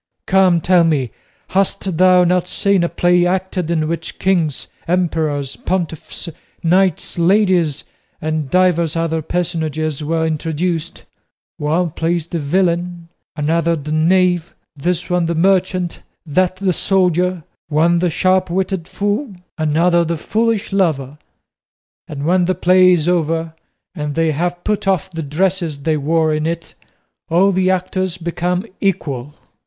Come, tell me, hast thou not seen a play acted in which kings, emperors, pontiffs, knights, ladies, and divers other personages were introduced? One plays the villain, another the knave, this one the merchant, that the soldier, one the sharp witted fool, another the foolish lover; and when the play is over, and they have put off the dresses they wore in it, all the actors become equal."